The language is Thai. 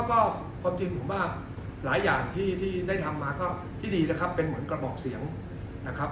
ก็ความจริงผมว่าหลายอย่างที่ได้ทำมาก็ที่ดีนะครับเป็นเหมือนกระบอกเสียงนะครับ